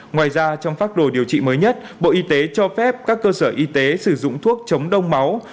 ngoài ra trong phác đồ điều trị mới nhất bộ y tế cho phép các cơ sở y tế sử dụng thuốc chống đông máu